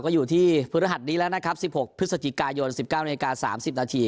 ก็อยู่ที่พฤหัสนี้แล้วนะครับ๑๖พฤศจิกายน๑๙นาที๓๐นาที